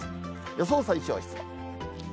予想最小湿度。